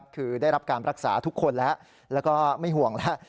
คือได้รับการรักษาทุกคนแล้วแล้วก็ไม่ห่วงแล้ว